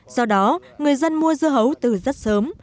do đó người dân mua dưa hấu từ rất sớm